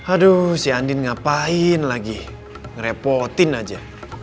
aduh si andin ngapain lagi ngerepotin aja